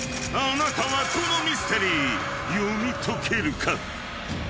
［あなたはこのミステリー読み解けるか？］